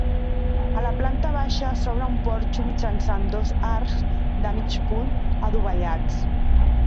A la planta baixa s'obre un porxo mitjançant dos arcs de mig punt adovellats.